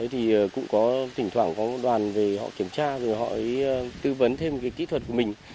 thì cũng có thỉnh thoảng có đoàn về họ kiểm tra rồi họ tư vấn thêm kỹ thuật của mình